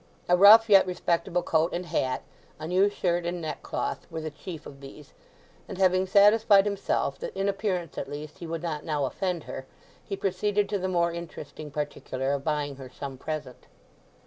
A rough yet respectable coat and hat, a new shirt and neck cloth, were the chief of these; and having satisfied himself that in appearance at least he would not now offend her, he proceeded to the more interesting particular of buying her some present.